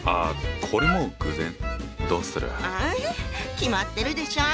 決まってるでしょ！